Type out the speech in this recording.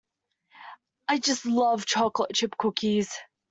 I just love chocolate chip cookies.